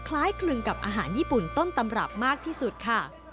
คล้ายคลึงกับอาหารญี่ปุ่นต้นตำรับมากที่สุดค่ะ